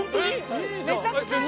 めちゃくちゃいい！